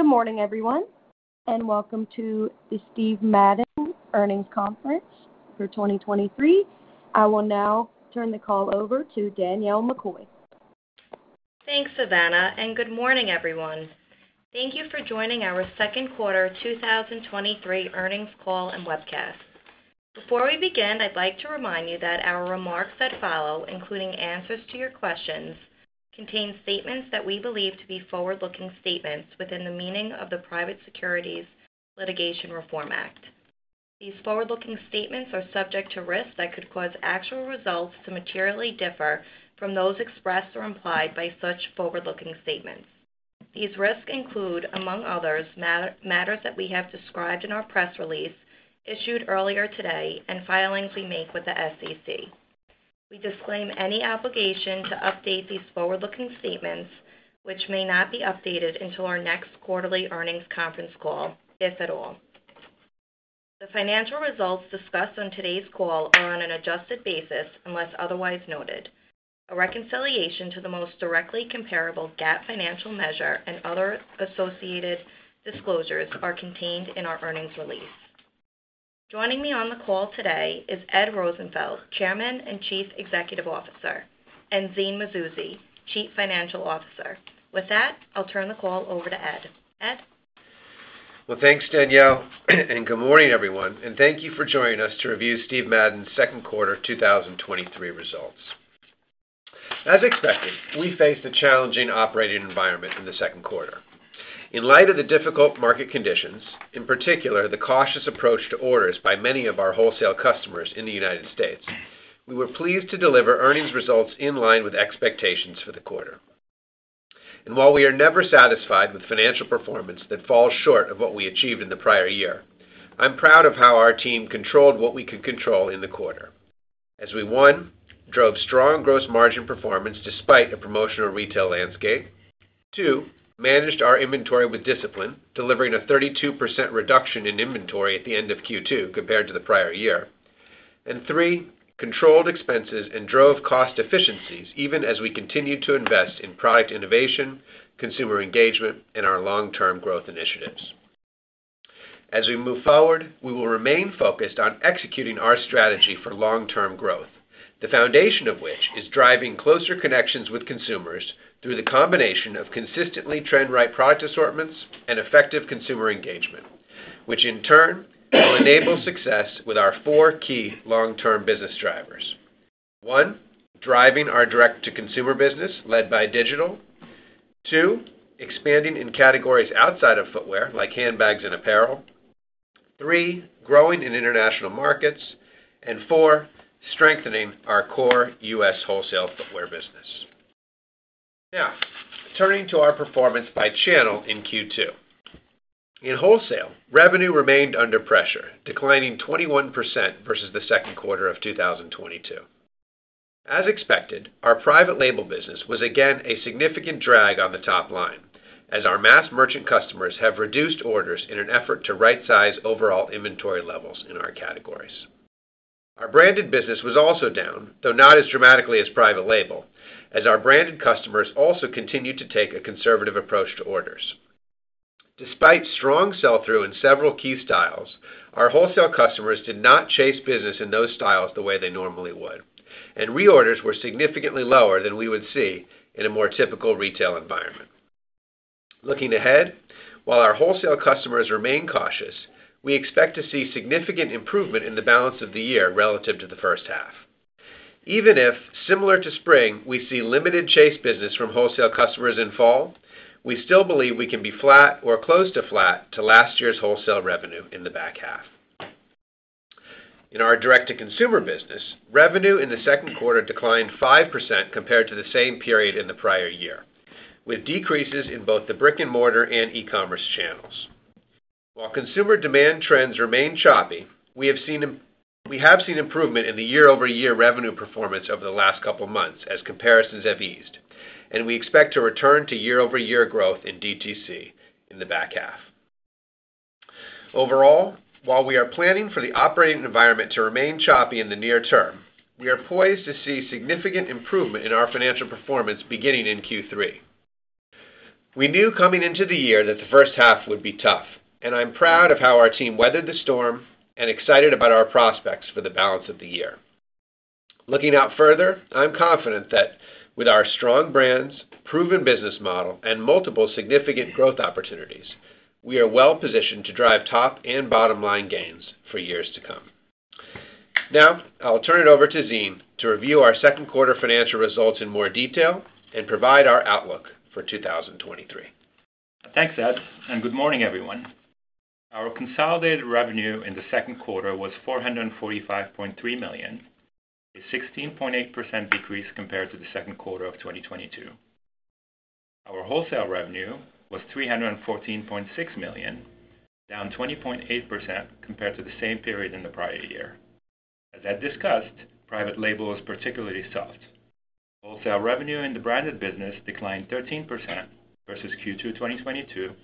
Good morning, everyone, and welcome to the Steve Madden Earnings Conference for 2023. I will now turn the call over to Danielle McCoy. Thanks, Savannah, good morning, everyone. Thank you for joining our second quarter 2023 earnings call and webcast. Before we begin, I'd like to remind you that our remarks that follow, including answers to your questions, contain statements that we believe to be forward-looking statements within the meaning of the Private Securities Litigation Reform Act. These forward-looking statements are subject to risks that could cause actual results to materially differ from those expressed or implied by such forward-looking statements. These risks include, among others, matters that we have described in our press release issued earlier today and filings we make with the SEC. We disclaim any obligation to update these forward-looking statements, which may not be updated until our next quarterly earnings conference call, if at all. The financial results discussed on today's call are on an adjusted basis, unless otherwise noted. A reconciliation to the most directly comparable GAAP financial measure and other associated disclosures are contained in our earnings release. Joining me on the call today is Edward Rosenfeld, Chairman and Chief Executive Officer; and Zine Mazouzi, Chief Financial Officer. With that, I'll turn the call over to Ed. Ed? Thanks, Danielle, and good morning, everyone, and thank you for joining us to review Steve Madden's second quarter 2023 results. As expected, we faced a challenging operating environment in the second quarter. In light of the difficult market conditions, in particular, the cautious approach to orders by many of our wholesale customers in the United States, we were pleased to deliver earnings results in line with expectations for the quarter. While we are never satisfied with financial performance that falls short of what we achieved in the prior year, I'm proud of how our team controlled what we could control in the quarter. As we, one, drove strong gross margin performance despite a promotional retail landscape. Two, managed our inventory with discipline, delivering a 32% reduction in inventory at the end of Q2 compared to the prior year. Three, controlled expenses and drove cost efficiencies even as we continued to invest in product innovation, consumer engagement, and our long-term growth initiatives. As we move forward, we will remain focused on executing our strategy for long-term growth, the foundation of which is driving closer connections with consumers through the combination of consistently trend-right product assortments and effective consumer engagement, which in turn will enable success with our four key long-term business drivers. One, driving our direct-to-consumer business, led by digital. Two, expanding in categories outside of footwear, like handbags and apparel. Three, growing in international markets. Four, strengthening our core U.S. wholesale footwear business. Now, turning to our performance by channel in Q2. In wholesale, revenue remained under pressure, declining 21% versus the second quarter of 2022. As expected, our private label business was again a significant drag on the top line, as our mass merchant customers have reduced orders in an effort to right-size overall inventory levels in our categories. Our branded business was also down, though not as dramatically as private label, as our branded customers also continued to take a conservative approach to orders. Despite strong sell-through in several key styles, our wholesale customers did not chase business in those styles the way they normally would, and reorders were significantly lower than we would see in a more typical retail environment. Looking ahead, while our wholesale customers remain cautious, we expect to see significant improvement in the balance of the year relative to the first half. Even if, similar to spring, we see limited chase business from wholesale customers in fall, we still believe we can be flat or close to flat to last year's wholesale revenue in the back half. In our direct-to-consumer business, revenue in the second quarter declined 5% compared to the same period in the prior year, with decreases in both the brick-and-mortar and e-commerce channels. While consumer demand trends remain choppy, we have seen improvement in the year-over-year revenue performance over the last couple of months as comparisons have eased. We expect to return to year-over-year growth in DTC in the back half. Overall, while we are planning for the operating environment to remain choppy in the near term, we are poised to see significant improvement in our financial performance beginning in Q3. We knew coming into the year that the first half would be tough, and I'm proud of how our team weathered the storm and excited about our prospects for the balance of the year. Looking out further, I'm confident that with our strong brands, proven business model, and multiple significant growth opportunities, we are well positioned to drive top and bottom line gains for years to come. Now, I'll turn it over to Zine to review our second quarter financial results in more detail and provide our outlook for 2023. Thanks, Ed, and good morning, everyone. Our consolidated revenue in the second quarter was $445.3 million, a 16.8% decrease compared to the second quarter of 2022. Our wholesale revenue was $314.6 million, down 20.8% compared to the same period in the prior year. As Ed discussed, private label was particularly soft. Wholesale revenue in the branded business declined 13% versus Q2 2022,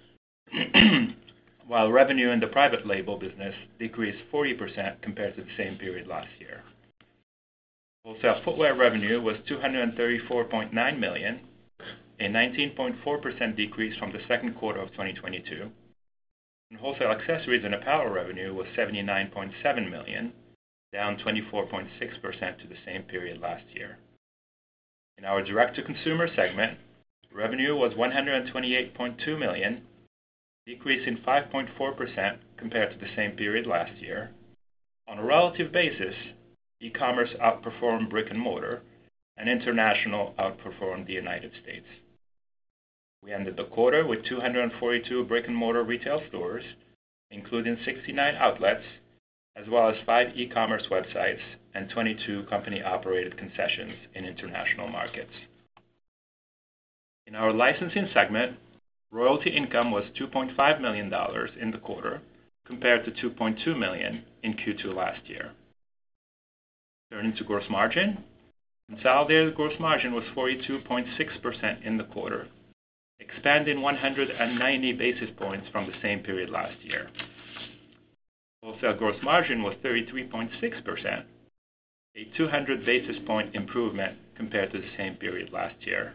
while revenue in the private label business decreased 40% compared to the same period last year. Wholesale footwear revenue was $234.9 million, a 19.4% decrease from the second quarter of 2022. Wholesale accessories and apparel revenue was $79.7 million, down 24.6% to the same period last year. In our direct-to-consumer segment, revenue was $128.2 million, decreasing 5.4% compared to the same period last year. On a relative basis, e-commerce outperformed brick-and-mortar, and international outperformed the United States. We ended the quarter with 242 brick-and-mortar retail stores, including 69 outlets, as well as five e-commerce websites and 22 company-operated concessions in international markets. In our licensing segment, royalty income was $2.5 million in the quarter, compared to $2.2 million in Q2 last year. Turning to gross margin. Consolidated gross margin was 42.6% in the quarter, expanding 190 basis points from the same period last year. Wholesale gross margin was 33.6%, a 200 basis point improvement compared to the same period last year,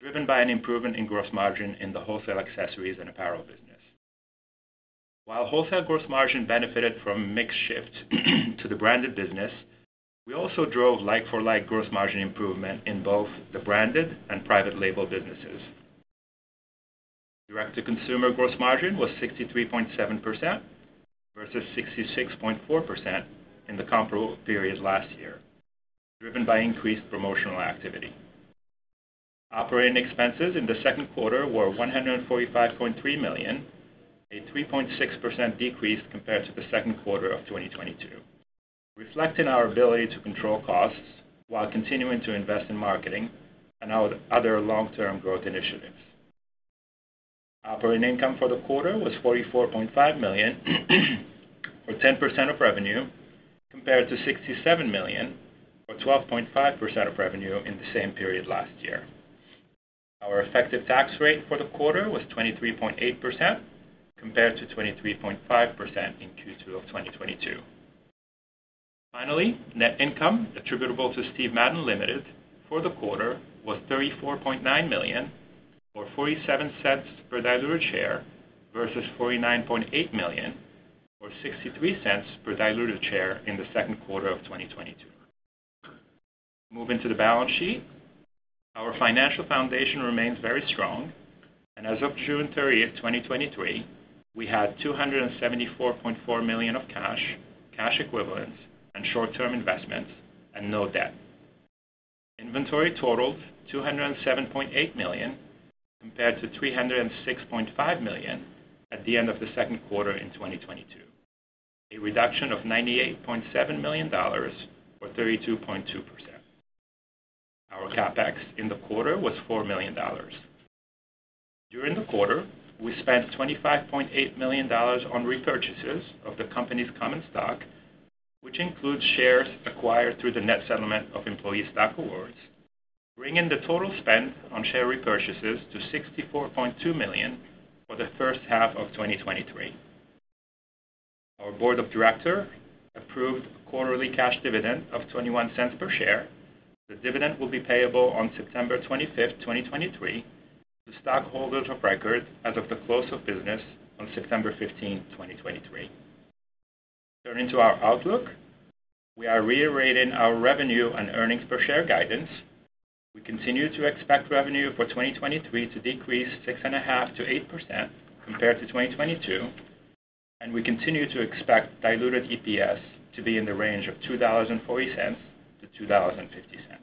driven by an improvement in gross margin in the wholesale accessories and apparel business. While wholesale gross margin benefited from mix shift to the branded business, we also drove like-for-like gross margin improvement in both the branded and private label businesses. Direct-to-consumer gross margin was 63.7% versus 66.4% in the comparable period last year, driven by increased promotional activity. Operating expenses in the second quarter were $145.3 million, a 3.6% decrease compared to the second quarter of 2022, reflecting our ability to control costs while continuing to invest in marketing and our other long-term growth initiatives. Operating income for the quarter was $44.5 million, or 10% of revenue, compared to $67 million, or 12.5% of revenue in the same period last year. Our effective tax rate for the quarter was 23.8%, compared to 23.5% in Q2 of 2022. Finally, net income attributable to Steve Madden, Ltd. for the quarter was $34.9 million, or $0.47 per diluted share, versus $49.8 million or $0.63 per diluted share in the second quarter of 2022. Moving to the balance sheet. Our financial foundation remains very strong, and as of June 30th, 2023, we had $274.4 million of cash, cash equivalents, and short-term investments, and no debt. Inventory totaled $207.8 million, compared to $306.5 million at the end of the second quarter in 2022, a reduction of $98.7 million or 32.2%. Our CapEx in the quarter was $4 million. During the quarter, we spent $25.8 million on repurchases of the company's common stock, which includes shares acquired through the net settlement of employee stock awards, bringing the total spend on share repurchases to $64.2 million for the first half of 2023. Our board of directors approved a quarterly cash dividend of $0.21 per share. The dividend will be payable on September 25, 2023 to stockholders of record as of the close of business on September 15th, 2023. Turning to our outlook, we are reiterating our revenue and EPS guidance. We continue to expect revenue for 2023 to decrease 6.5%-8% compared to 2022, and we continue to expect diluted EPS to be in the range of $2.40-$2.50.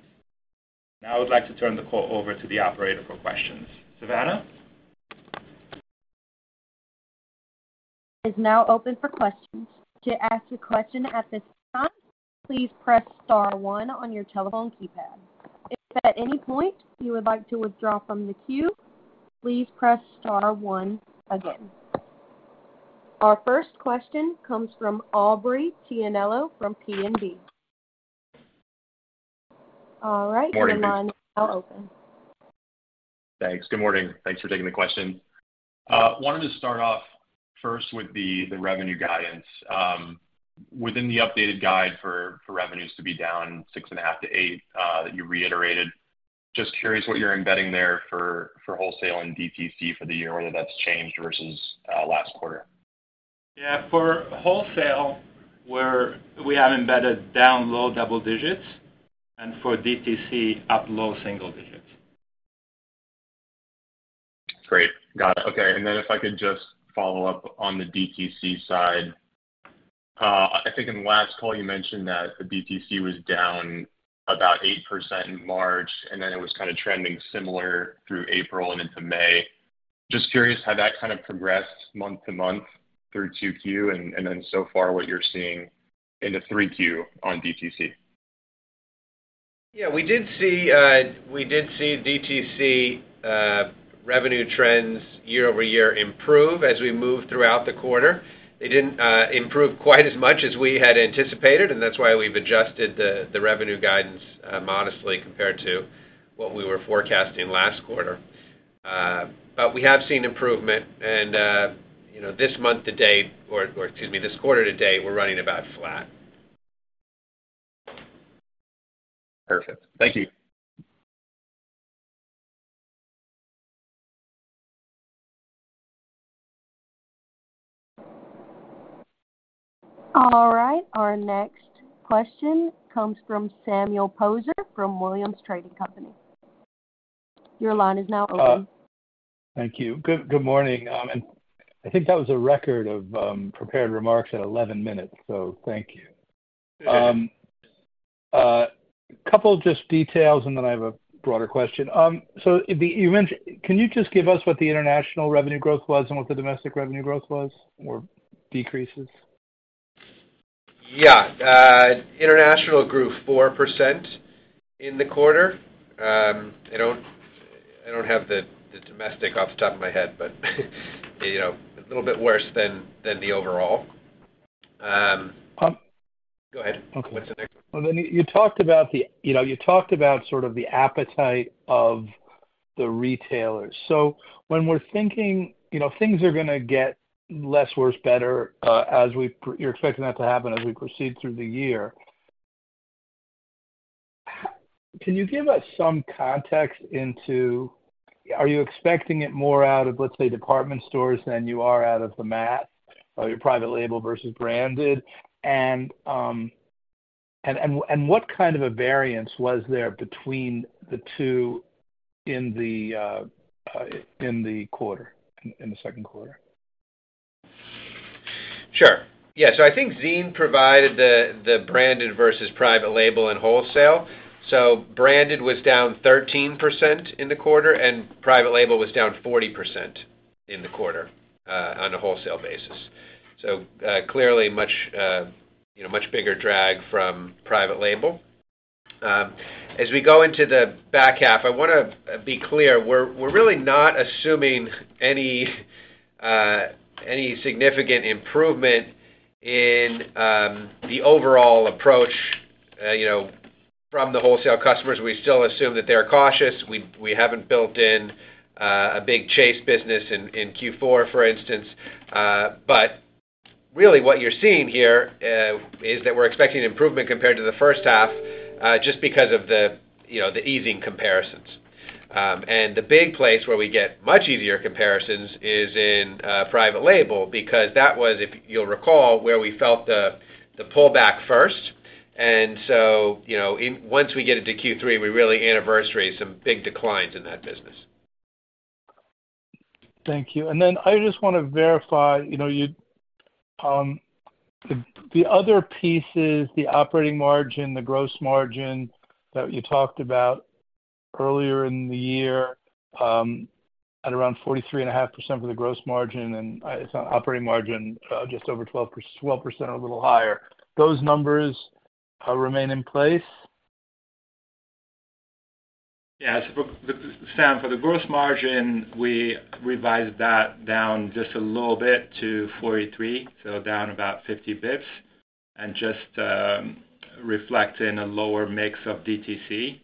Now I would like to turn the call over to the operator for questions. Savannah? Is now open for questions. To ask a question at this time, please press star one on your telephone keypad. If at any point you would like to withdraw from the queue, please press star one again. Our first question comes from Aubrey Tianello from BNP. All right. Morning. The line now open. Thanks. Good morning. Thanks for taking the question. Wanted to start off first with the revenue guidance. Within the updated guide for revenues to be down 6.5%-8% that you reiterated, just curious what you're embedding there for wholesale and DTC for the year, whether that's changed versus last quarter? Yeah. For wholesale, we have embedded down low double digits, and for DTC, up low single digits. Great. Got it. Okay. If I could just follow up on the DTC side. I think in the last call, you mentioned that the DTC was down about 8% in March, and then it was kind of trending similar through April and into May. Just curious how that kind of progressed month-to-month through 2Q, and then so far, what you're seeing into 3Q on DTC. Yeah, we did see, we did see DTC revenue trends year-over-year improve as we moved throughout the quarter. They didn't improve quite as much as we had anticipated, and that's why we've adjusted the revenue guidance modestly compared to what we were forecasting last quarter. But we have seen improvement. You know, this month-to-date, or, or excuse me, this quarter-to-date, we're running about flat. Perfect. Thank you. All right, our next question comes from Samuel Poser from Williams Trading Company. Your line is now open. Thank you. Good, good morning. I think that was a record of prepared remarks at 11 minutes, so thank you. A couple of just details, and then I have a broader question. You mentioned-- can you just give us what the international revenue growth was and what the domestic revenue growth was, or decreases? Yeah. international grew 4% in the quarter. I don't, I don't have the, the domestic off the top of my head, but, you know, a little bit worse than, than the overall. Go ahead. Okay. What's the next one? You talked about the, you know, you talked about sort of the appetite of the retailers. When we're thinking, you know, things are gonna get less worse, better, as we you're expecting that to happen as we proceed through the year, how can you give us some context into are you expecting it more out of, let say, department stores than you are out of the mass, or your private label versus branded? What kind of a variance was there between the two in the quarter, in the second quarter? Sure. Yeah. I think Zine provided the, the branded versus private label and wholesale. Branded was down 13% in the quarter, and private label was down 40% in the quarter on a wholesale basis. Clearly much, you know, much bigger drag from private label. As we go into the back half, I wanna be clear, we're, we're really not assuming any any significant improvement in the overall approach, you know, from the wholesale customers. We still assume that they're cautious. We haven't built in a big chase business in, in Q4, for instance. But really, what you're seeing here, is that we're expecting an improvement compared to the first half, just because of the, you know, the easing comparisons. The big place where we get much easier comparisons is in private label, because that was, if you'll recall, where we felt the pullback first. So, you know, once we get into Q3, we really anniversary some big declines in that business. Thank you. Then I just wanna verify, you know, you, the, the other pieces, the operating margin, the gross margin that you talked about earlier in the year, at around 43.5% for the gross margin and, operating margin, just over 12% or a little higher. Those numbers, remain in place? Yeah, for the, Sam, for the gross margin, we revised that down just a little bit to 43, so down about 50 basis points, and just, reflecting a lower mix of DTC,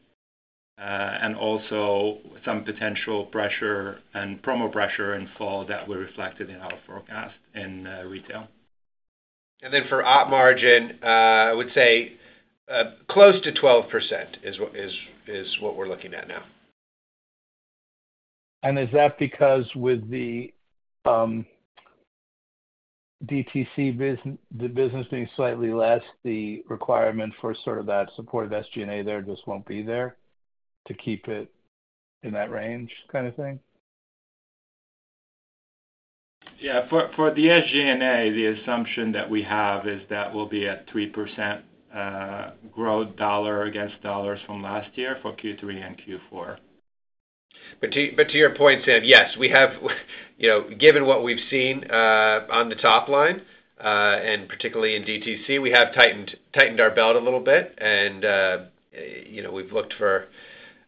and also some potential pressure and promo pressure in fall that were reflected in our forecast in retail. Then for op margin, I would say, close to 12% is what, is, is what we're looking at now. Is that because with the DTC the business being slightly less, the requirement for sort of that support of SG&A there just won't be there to keep it in that range, kind of thing? Yeah, for, for the SG&A, the assumption that we have is that we'll be at 3% growth dollar against dollars from last year for Q3 and Q4. To, but to your point, Sam, yes, we have, you know, given what we've seen, on the top line, and particularly in DTC, we have tightened, tightened our belt a little bit and, you know, we've looked for,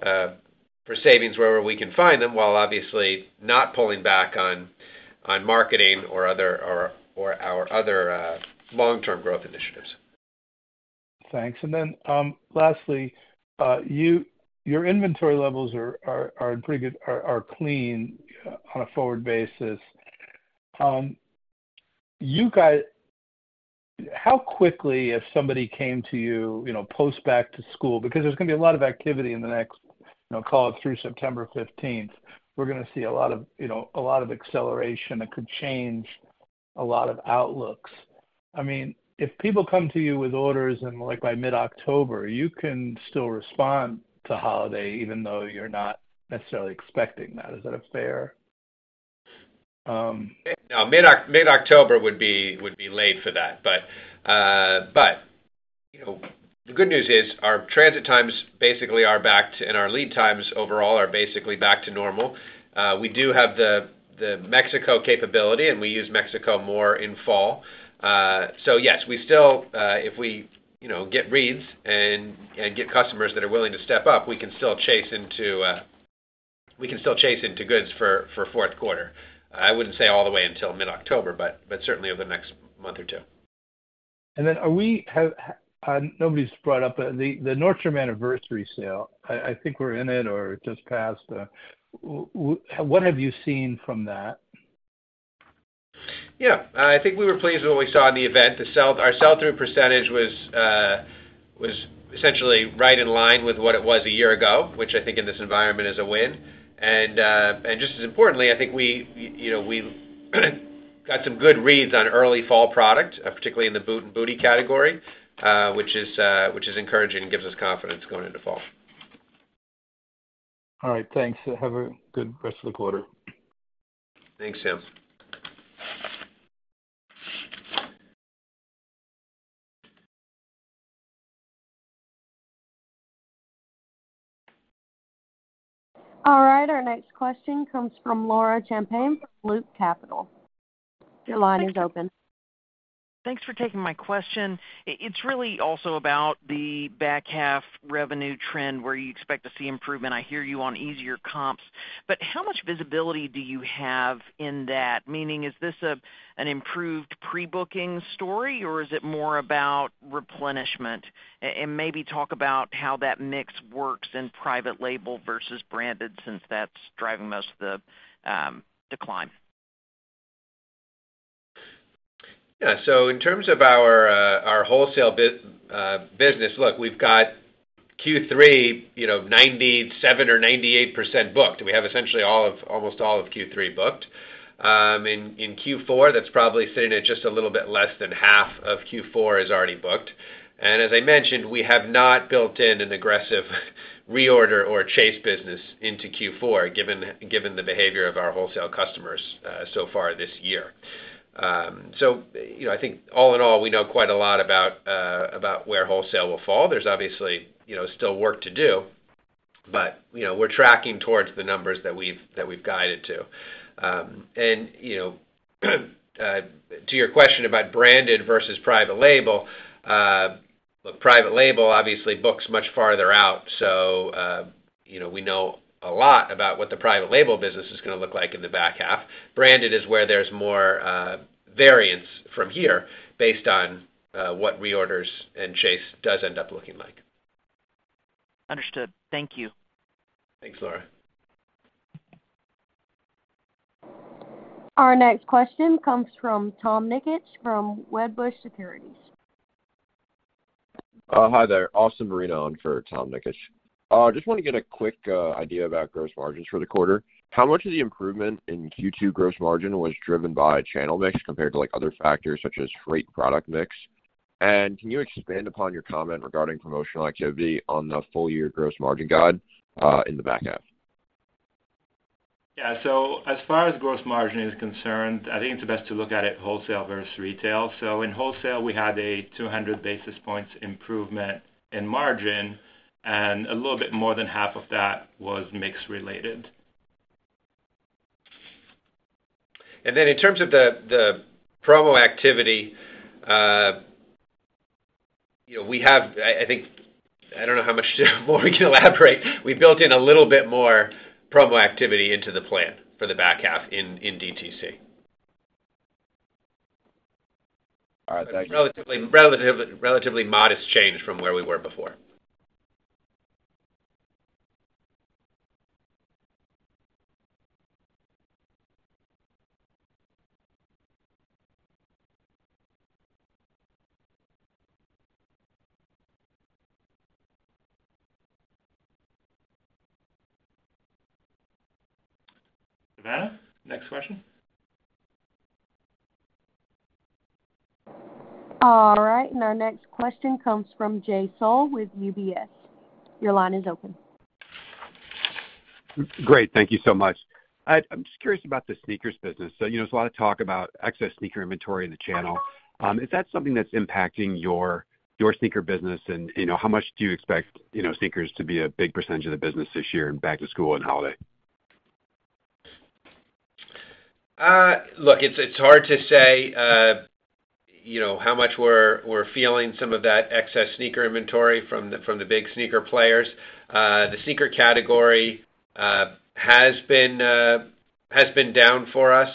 for savings wherever we can find them, while obviously not pulling back on, on marketing or other or, or our other, long-term growth initiatives. Thanks. Then, lastly, your inventory levels are, are, are pretty good, are, are clean on a forward basis. How quickly, if somebody came to you, you know, post back to school, because there's gonna be a lot of activity in the next, you know, call it through September 15th, we're gonna see a lot of, you know, a lot of acceleration that could change a lot of outlooks. I mean, if people come to you with orders and, like, by mid-October, you can still respond to holiday even though you're not necessarily expecting that. Is that fair? No, mid-October would be late for that, but, you know, the good news is our transit times basically are back to and our lead times overall are basically back to normal. We do have the Mexico capability, and we use Mexico more in fall. So yes, we still, if we, you know, get reads and get customers that are willing to step up, we can still chase into goods for fourth quarter. I wouldn't say all the way until mid-October, but certainly over the next month or two. Nobody's brought up the, the Nordstrom Anniversary Sale. I think we're in it or just past. What have you seen from that? Yeah, I think we were pleased with what we saw in the event. The sell-through percentage was, was essentially right in line with what it was a year ago, which I think in this environment is a win. Just as importantly, I think we, you, you know, we got some good reads on early fall product, particularly in the boot and booty category, which is, which is encouraging and gives us confidence going into fall. All right, thanks. Have a good rest of the quarter. Thanks, Sam. All right, our next question comes from Laura Champine, Loop Capital. Your line is open. Thanks for taking my question. It's really also about the back half revenue trend, where you expect to see improvement. How much visibility do you have in that? Meaning, is this an improved pre-booking story, or is it more about replenishment? Maybe talk about how that mix works in private label versus branded, since that's driving most of the decline. In terms of our wholesale business, look, we've got Q3, you know, 97% or 98% booked. We have essentially almost all of Q3 booked. In Q4, that's probably sitting at just a little bit less than half of Q4 is already booked. As I mentioned, we have not built in an aggressive reorder or chase business into Q4, given, given the behavior of our wholesale customers so far this year. You know, I think all in all, we know quite a lot about where wholesale will fall. There's obviously, you know, still work to do, but, you know, we're tracking towards the numbers that we've, that we've guided to. You know, to your question about branded versus private label, well, private label obviously books much farther out, so, you know, we know a lot about what the private label business is gonna look like in the back half. Branded is where there's more variance from here based on what reorders and chase does end up looking like. Understood. Thank you. Thanks, Laura. Our next question comes from Tom Nikic from Wedbush Securities. Hi there. Austin Borina on for Tom Nikic. Just want to get a quick idea about gross margins for the quarter. How much of the improvement in Q2 gross margin was driven by channel mix compared to other factors such as freight product mix? Can you expand upon your comment regarding promotional activity on the full year gross margin guide in the back half? Yeah. As far as gross margin is concerned, I think it's best to look at it wholesale versus retail. In wholesale, we had a 200 basis points improvement in margin, and a little bit more than half of that was mix related. Then in terms of the promo activity, you know, I think, I don't know how much more we can elaborate. We built in a little bit more promo activity into the plan for the back half in DTC. All right. Thank you. Relatively, relatively, relatively modest change from where we were before. Savannah, next question. All right. Our next question comes from Jay Sole with UBS. Your line is open. Great. Thank you so much. I'm just curious about the sneakers business. You know, there's a lot of talk about excess sneaker inventory in the channel. Is that something that's impacting your, your sneaker business? You know, how much do you expect, you know, sneakers to be a big percentage of the business this year in back to school and holiday? Look, it's, it's hard to say, you know, how much we're, we're feeling some of that excess sneaker inventory from the, from the big sneaker players. The sneaker category has been down for us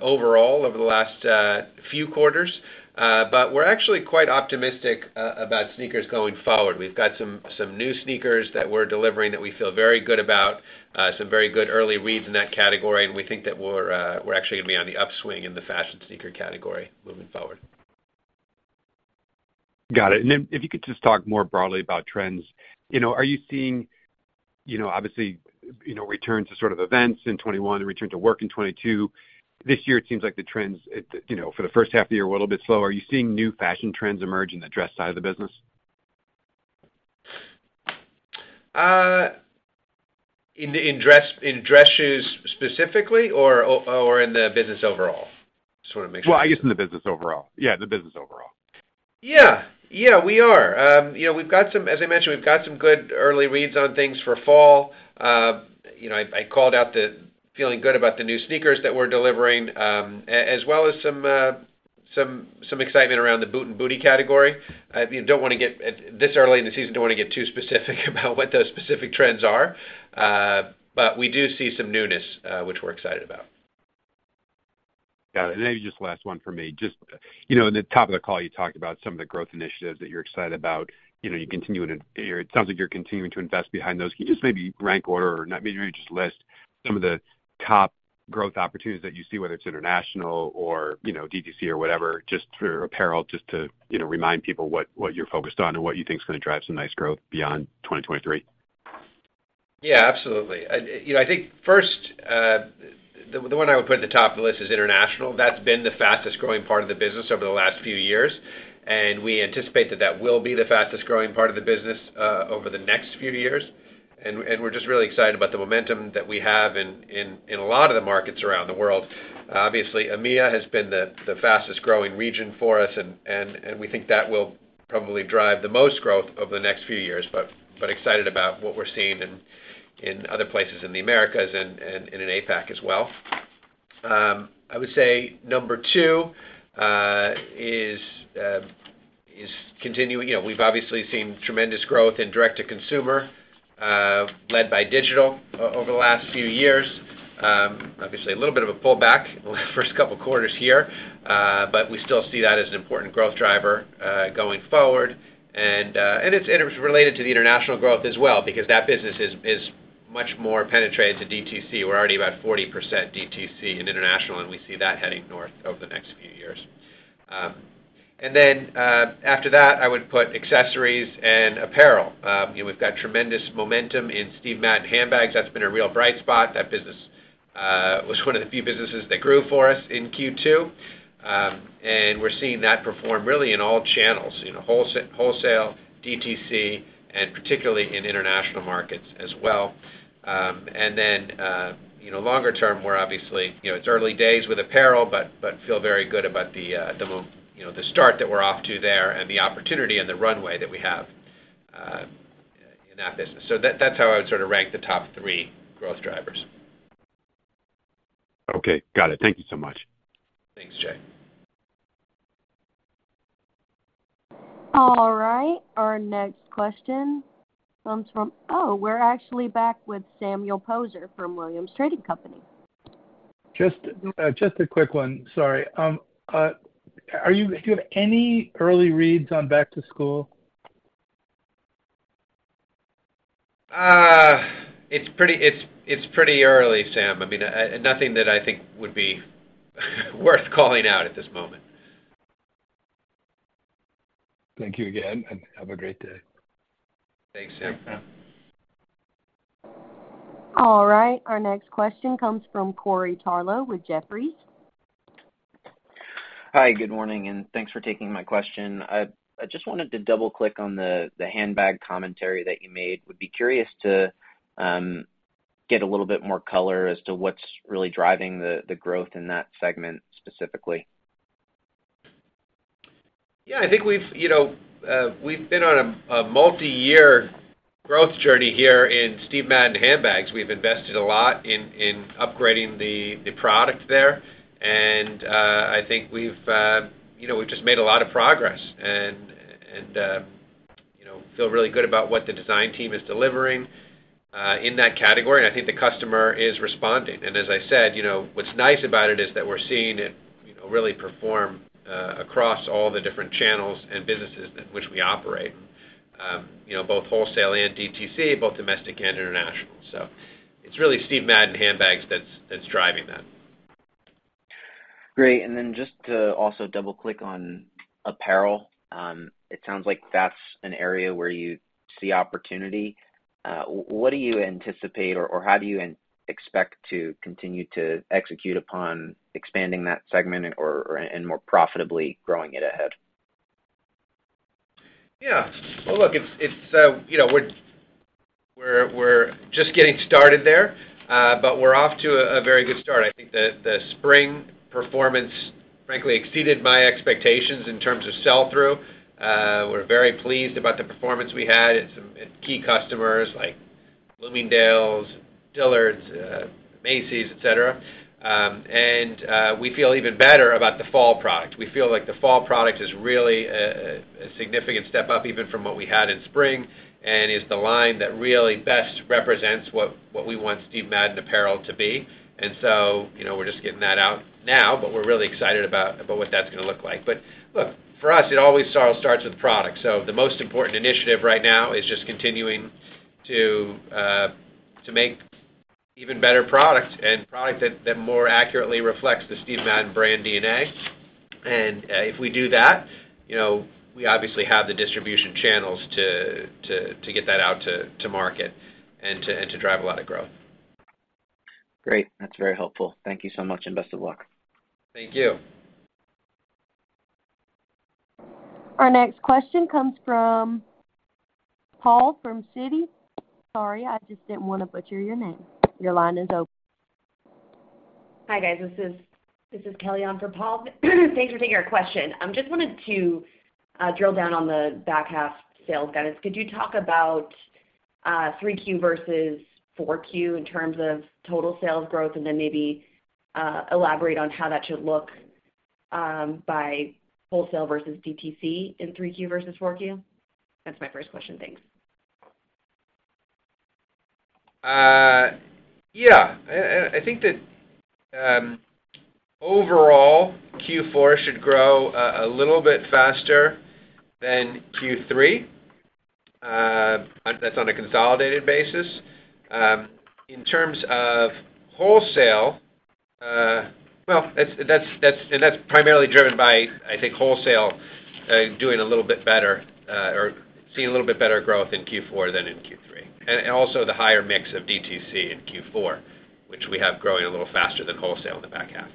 overall over the last few quarters. But we're actually quite optimistic about sneakers going forward. We've got some, some new sneakers that we're delivering that we feel very good about, some very good early reads in that category. We think that we're, we're actually gonna be on the upswing in the fashion sneaker category moving forward. Got it. Then, if you could just talk more broadly about trends. You know, are you seeing, you know, obviously, you know, return to sort of events in 2021 and return to work in 2022. This year, it seems like the trends, it, you know, for the first half of the year, a little bit slower. Are you seeing new fashion trends emerge in the dress side of the business? In dress, in dress shoes specifically or or in the business overall? Just wanna make sure. Well, I guess in the business overall. Yeah, the business overall. Yeah. Yeah, we are. You know, as I mentioned, we've got some good early reads on things for fall. You know, I, I called out the feeling good about the new sneakers that we're delivering, as well as some, some, some excitement around the boot and bootie category. We don't wanna get, this early in the season, don't wanna get too specific about what those specific trends are. We do see some newness, which we're excited about. Got it. Just last one for me. Just, you know, at the top of the call, you talked about some of the growth initiatives that you're excited about. You know, you continue to-- or it sounds like you're continuing to invest behind those. Can you just maybe rank order or not maybe just list some of the top growth opportunities that you see, whether it's international or, you know, DTC or whatever, just for apparel, just to, you know, remind people what, what you're focused on and what you think is going to drive some nice growth beyond 2023? Yeah, absolutely. You know, I think first, the, the one I would put at the top of the list is international. That's been the fastest-growing part of the business over the last few years, and we anticipate that that will be the fastest-growing part of the business over the next few years. We're just really excited about the momentum that we have in, in, in a lot of the markets around the world. Obviously, EMEA has been the, the fastest-growing region for us, and, and, and we think that will probably drive the most growth over the next few years. Excited about what we're seeing in, in other places in the Americas and, and, and in APAC as well. I would say number two is continuing. You know, we've obviously seen tremendous growth in direct-to-consumer, led by digital over the last few years. Obviously, a little bit of a pullback over the first couple of quarters here, but we still see that as an important growth driver going forward. And, and it's related to the international growth as well, because that business is, is much more penetrated to DTC. We're already about 40% DTC in international, and we see that heading north over the next few years. And then, after that, I would put accessories and apparel. You know, we've got tremendous momentum in Steve Madden handbags. That's been a real bright spot. That business was one of the few businesses that grew for us in Q2. We're seeing that perform really in all channels, you know, wholesale, DTC, and particularly in international markets as well. You know, longer term, we're obviously, you know, it's early days with apparel, but, but feel very good about the, you know, the start that we're off to there and the opportunity and the runway that we have in that business. That, that's how I would sort of rank the top three growth drivers. Okay, got it. Thank you so much. Thanks, Jay. All right. Our next question comes from... Oh, we're actually back with Samuel Poser from Williams Trading, LLC. Just, just a quick one, sorry. Do you have any early reads on back-to-school? It's pretty early, Sam. I mean, nothing that I think would be worth calling out at this moment. Thank you again, and have a great day. Thanks, Sam. All right. Our next question comes from Corey Tarlowe with Jefferies. Hi, good morning, and thanks for taking my question. I, I just wanted to double-click on the, the handbag commentary that you made. Would be curious to get a little bit more color as to what's really driving the, the growth in that segment, specifically. Yeah, I think we've, you know, we've been on a multiyear growth journey here in Steve Madden handbags. We've invested a lot in, in upgrading the product there, and I think we've, you know, we've just made a lot of progress and, and, you know, feel really good about what the design team is delivering in that category, and I think the customer is responding. As I said, you know, what's nice about it is that we're seeing it, you know, really perform across all the different channels and businesses in which we operate, you know, both wholesale and DTC, both domestic and international. It's really Steve Madden handbags that's, that's driving that. Great. Then just to also double-click on apparel, it sounds like that's an area where you see opportunity. What do you anticipate, or how do you expect to continue to execute upon expanding that segment or more profitably growing it ahead? Yeah. Well, look, it's, it's, you know, we're, we're, we're just getting started there, but we're off to a very good start. I think the, the spring performance, frankly, exceeded my expectations in terms of sell-through. We're very pleased about the performance we had at some, at key customers like Bloomingdale's, Dillard's, Macy's, et cetera. We feel even better about the fall product. We feel like the fall product is really a significant step up, even from what we had in spring, and is the line that really best represents what, what we want Steve Madden apparel to be. So, you know, we're just getting that out now, but we're really excited about, about what that's going to look like. Look, for us, it always sort of starts with product. The most important initiative right now is just continuing to make even better product and product that, that more accurately reflects the Steve Madden brand DNA. If we do that, you know, we obviously have the distribution channels to, to, to get that out to, to market and to, and to drive a lot of growth. Great. That's very helpful. Thank you so much, and best of luck. Thank you. Our next question comes from Paul, from Citi. Sorry, I just didn't want to butcher your name. Your line is open. Hi, guys. This is Kelly on for Paul. Thanks for taking our question. I just wanted to drill down on the back half sales guidance. Could you talk about 3Q versus 4Q in terms of total sales growth, and then maybe elaborate on how that should look by wholesale versus DTC in 3Q versus 4Q? That's my first question. Thanks. Yeah, I, I think that, overall, Q4 should grow a little bit faster than Q3. That's on a consolidated basis. In terms of wholesale, well, that's, that's, and that's primarily driven by, I think, wholesale doing a little bit better, or seeing a little bit better growth in Q4 than in Q3, and, and also the higher mix of DTC in Q4, which we have growing a little faster than wholesale in the back half.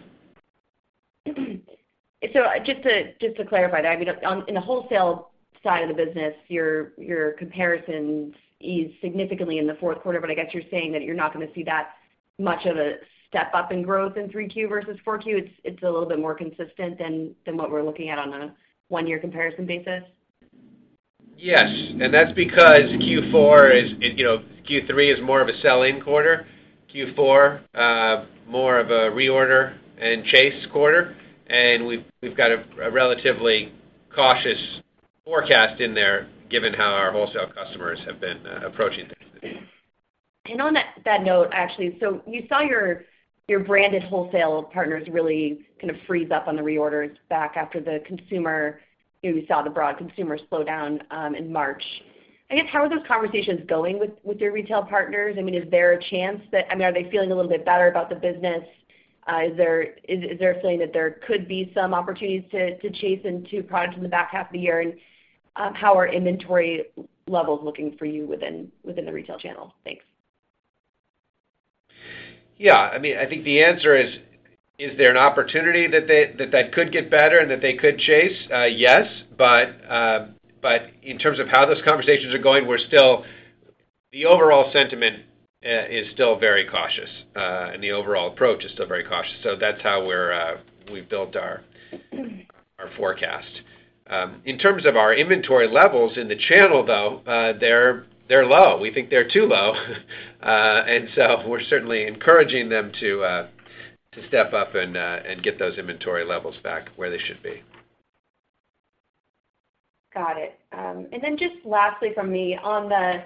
Just to, just to clarify that, I mean, on, in the wholesale side of the business, your, your comparison is significantly in the 4Q, but I guess you're saying that you're not gonna see that much of a step-up in growth in 3Q versus 4Q. It's, it's a little bit more consistent than, than what we're looking at on a 1-year comparison basis? Yes, and that's because Q4 is, You know, Q3 is more of a sell-in quarter. Q4, more of a reorder and chase quarter, and we've, we've got a, a relatively cautious forecast in there, given how our wholesale customers have been, approaching things. On that, that note, actually, you saw your, your branded wholesale partners really kind of freeze up on the reorders back after you saw the broad consumer slow down in March. I guess, how are those conversations going with, with your retail partners? I mean, are they feeling a little bit better about the business? Is there, is there a feeling that there could be some opportunities to, to chase into products in the back half of the year? How are inventory levels looking for you within, within the retail channel? Thanks. Yeah, I mean, I think the answer is: Is there an opportunity that they-- that, that could get better and that they could chase? Yes, but, but in terms of how those conversations are going, we're still... The overall sentiment is still very cautious and the overall approach is still very cautious. That's how we're we've built our, our forecast. In terms of our inventory levels in the channel, though, they're, they're low. We think they're too low. We're certainly encouraging them to step up and get those inventory levels back where they should be. Got it. Just lastly from me, on the,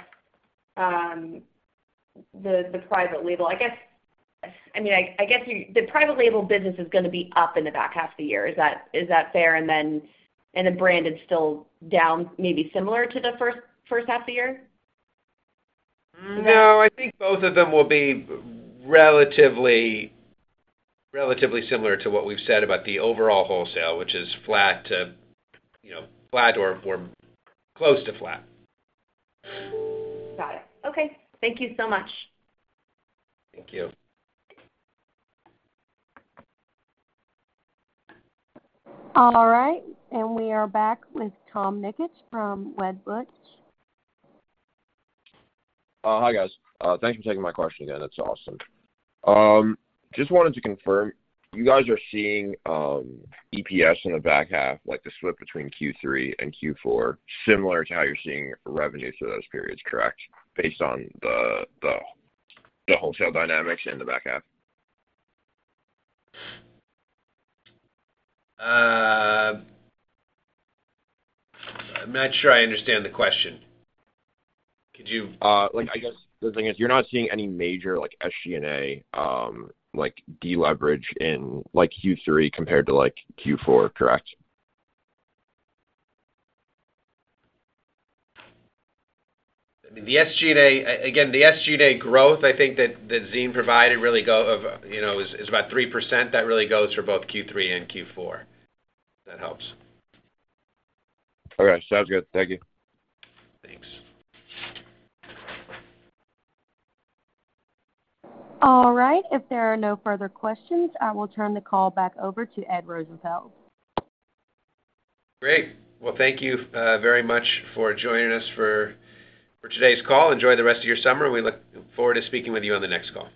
the, the private label, I guess, I mean, I, the private label business is gonna be up in the back half of the year. Is that, is that fair? The brand is still down, maybe similar to the first, first half of the year? No, I think both of them will be relatively, relatively similar to what we've said about the overall wholesale, which is flat to, you know, flat or, or close to flat. Got it. Okay. Thank you so much. Thank you. All right, we are back with Tom Nikic from Wedbush. Hi, guys. Thanks for taking my question again. That's awesome. Just wanted to confirm, you guys are seeing EPS in the back half, like, the slip between Q3 and Q4, similar to how you're seeing revenue for those periods, correct, based on the, the, the wholesale dynamics in the back half? I'm not sure I understand the question. Could you- like, I guess the thing is, you're not seeing any major, like, SG&A, like, deleverage in, like, Q3 compared to, like, Q4, correct? I mean, the SG&A, again, the SG&A growth, I think that, that Zine provided really go, of, you know, is, is about 3%. That really goes for both Q3 and Q4, if that helps. Okay, sounds good. Thank you. Thanks. All right, if there are no further questions, I will turn the call back over to Edward Rosenfeld. Great. Well, thank you, very much for joining us for, for today's call. Enjoy the rest of your summer. We look forward to speaking with you on the next call.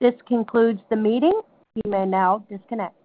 This concludes the meeting. You may now disconnect.